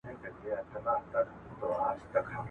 کله به زه در پيسي خوا ته د حرم راغلمه